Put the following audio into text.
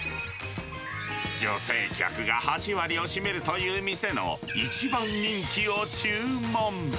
女性客が８割を占めるという店の一番人気を注文。